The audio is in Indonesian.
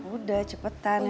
udah cepetan ya